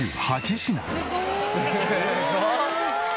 「すごーい！」